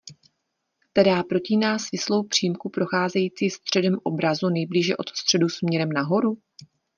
Která protíná svislou přímku procházející středem obrazu nejblíže od středu směrem nahoru?